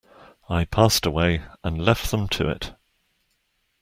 I passed away and left them to it.